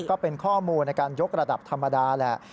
ก็เป็นข้อมูลในการยกระดับธรรมดาแหละ